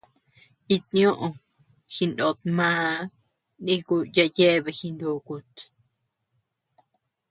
It ñoʼö jiknot màa niku yaʼa yeabea jinukut.